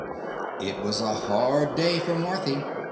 It was a hard day for Marthy.